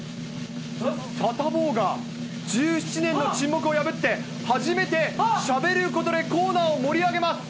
サタボーが１７年の沈黙を破って、初めてしゃべることでコーナーを盛り上げます。